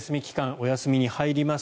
お休みに入ります。